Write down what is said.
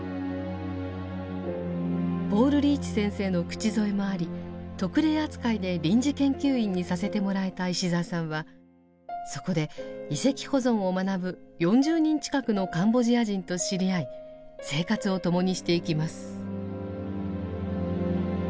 ポール・リーチ先生の口添えもあり特例扱いで臨時研究員にさせてもらえた石澤さんはそこで遺跡保存を学ぶ４０人近くのカンボジア人と知り合い生活を共にしていきます。